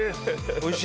おいしい？